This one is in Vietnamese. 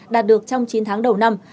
đạt được trong chín tháng đầu năm